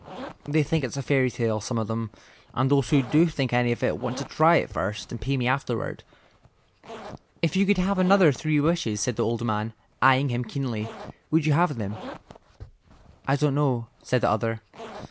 They think it's a fairy tale; some of them, and those who do think anything of it want to try it first and pay me afterward." "If you could have another three wishes," said the old man, eyeing him keenly, "would you have them?" "I don't know," said the other.